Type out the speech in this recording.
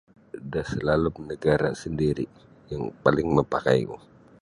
Dasalalum nagara' sandiri' yang paling mapakaiku.